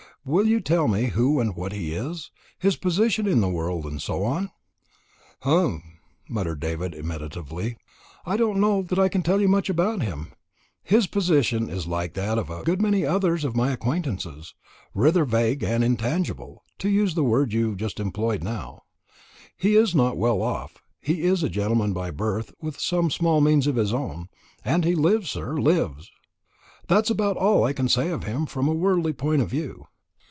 Will you tell me who and what he is his position in the world, and so on?" "Humph!" muttered Sir David meditatively; "I don't know that I can tell you much about him. His position is like that of a good many others of my acquaintance rather vague and intangible, to use the word you employed just now. He is not well off; he is a gentleman by birth, with some small means of his own, and he 'lives, sir, lives.' That is about all I can say of him from a worldly point of view.